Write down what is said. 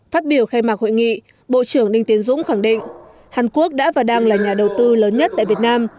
phát biểu khai mạc hội nghị bộ trưởng đinh tiến dũng khẳng định hàn quốc đã và đang là nhà đầu tư lớn nhất tại việt nam